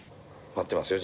待ってますよ